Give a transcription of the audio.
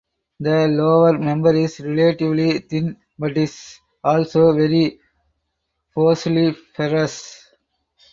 The lower member is relatively thin but is also very fossiliferous.